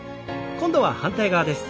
今度は反対側です。